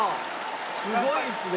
すごいっすね。